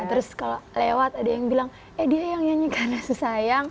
terus kalau lewat ada yang bilang eh dia yang nyanyikan kasih sayang